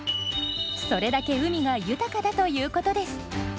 それだけ海が豊かだということです。